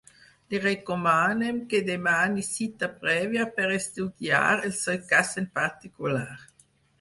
Li recomanem que demani cita prèvia per estudiar el seu cas en particular.